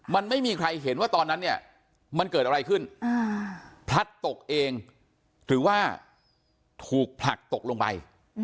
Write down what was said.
มันไม่มีใครเห็นว่าตอนนั้นเนี่ยมันเกิดอะไรขึ้นพลัดตกเองหรือว่าถูกผลักตกลงไป